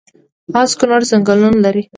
خاص کونړ ځنګلونه لري؟